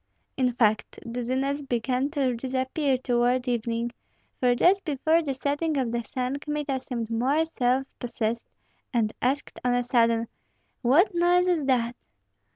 In fact, dizziness began to disappear toward evening; for just before the setting of the sun Kmita seemed more self possessed and asked on a sudden, "What noise is that?"